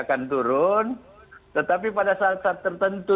akan turun tetapi pada saat saat tertentu